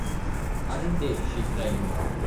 “Aren’t they!” she cried.